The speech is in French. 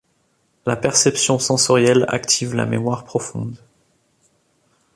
La perception sensorielle active la mémoire profonde.